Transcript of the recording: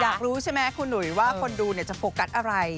อยากรู้ใช่ไหมคุณหนุ่ยว่าคนดูจะโฟกัสอะไร